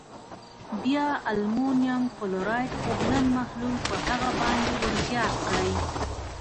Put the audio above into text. بیا المونیم کلورایډ اوبلن محلول په هغه باندې ور زیات کړئ.